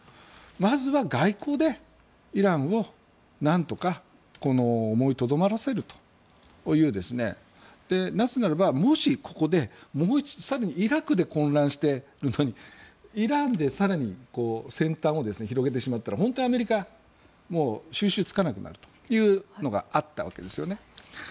まずは外交でイランをなんとか思いとどまらせるというなぜならば、もしここでイラクで混乱しているのにイランで更に戦端を広げてしまったら本当にアメリカは収拾がつかなくなるというのがあったわけですね。